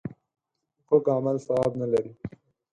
کوږ عمل ثواب نه لري